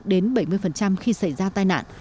đến bảy mươi khi xảy ra tai nạn